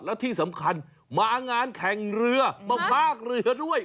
แล้วที่สำคัญมางานแข่งเรือมาพากเรือด้วย